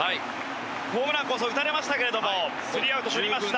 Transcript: ホームランこそ打たれましたけれどもスリーアウトとりました。